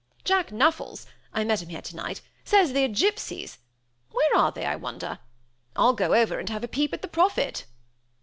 Jack Nuffles I met him here tonight says they are gypsies where are they, I wonder? I'll go over and have a peep at the prophet."